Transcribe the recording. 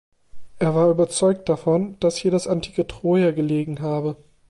Er war überzeugt davon, dass hier das antike Troia gelegen habe.